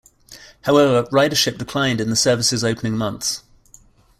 However, ridership declined in the service's opening months.